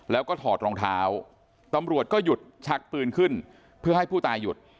แล้วก็ถอดรองเท้าตำรวจก็หยุดชักปืนขึ้นเพื่อให้ผู้ตายหยุด